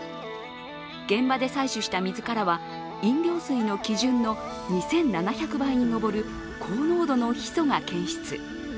現場で採取した自らは飲料水の基準の２７００倍に上る高濃度のヒ素が検出。